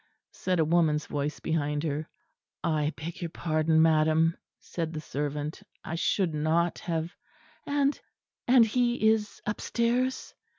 said a woman's voice behind her. "I beg your pardon, madam," said the servant. "I should not have " "And and he is upstairs?"